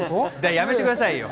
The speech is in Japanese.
やめてくださいよ。